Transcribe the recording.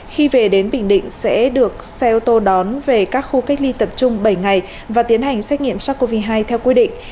khi về đến bình định sẽ được xe ô tô đón về các khu cách ly tập trung bảy ngày và tiến hành xét nghiệm sars cov hai theo quy định